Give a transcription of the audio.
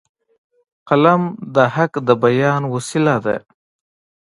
قلم د حق د بیان وسیله ده